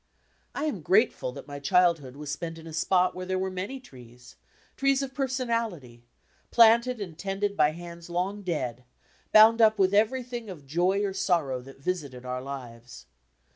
I am grateful that my childhood was spent in a spot where there were many trees, trees of personality, planted and tended by hands long dead, bound up with everything of joy or sorrow that visited our lives.